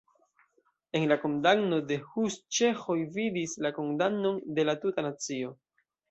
En la kondamno de Hus ĉeĥoj vidis la kondamnon de la tuta nacio.